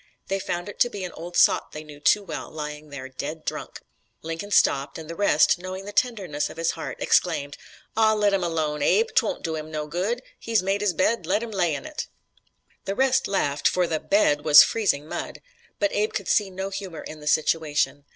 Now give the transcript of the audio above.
They found it to be an old sot they knew too well lying there, dead drunk. Lincoln stopped, and the rest, knowing the tenderness of his heart, exclaimed: "Aw, let him alone, Abe. 'Twon't do him no good. He's made his bed, let him lay in it!" The rest laughed for the "bed" was freezing mud. But Abe could see no humor in the situation.